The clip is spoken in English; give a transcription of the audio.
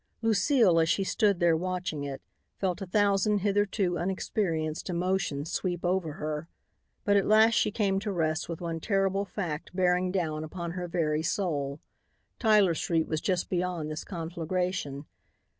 Lucile, as she stood there watching it, felt a thousand hitherto unexperienced emotions sweep over her. But at last she came to rest with one terrible fact bearing down upon her very soul. Tyler street was just beyond this conflagration.